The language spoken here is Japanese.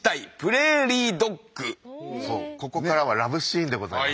ここからはラブシーンでございます。